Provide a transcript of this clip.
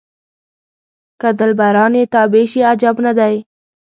که دلبران یې تابع شي عجب نه دی.